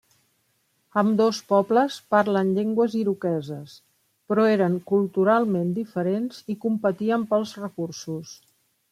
Ambdós pobles parlen llengües iroqueses però eren culturalment diferents i competien pels recursos.